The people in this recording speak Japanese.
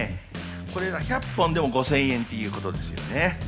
これが１００本でも５０００円ということですね。